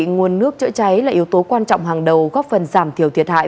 nguồn nước chữa cháy là yếu tố quan trọng hàng đầu góp phần giảm thiểu thiệt hại